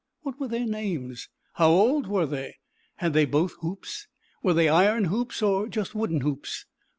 What were their names? How old were they? Had they both hoops? Were they iron hoops, or just wooden hoops?